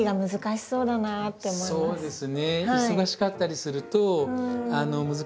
そうなんですね。